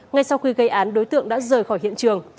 ngay sau khi gây án đối tượng đã rời khỏi hiện trường